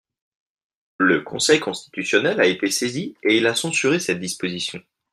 Le Conseil constitutionnel a été saisi et il a censuré cette disposition.